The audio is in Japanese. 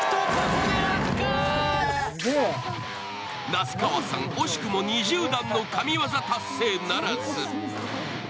那須川さん、惜しくも２０段の神業達成ならず。